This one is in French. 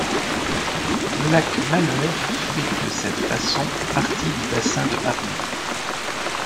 Le lac Malheur fait de cette façon partie du Bassin de Harney.